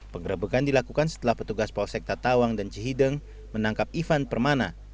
penggerebekan dilakukan setelah petugas polsek tatawang dan cihideng menangkap ivan permana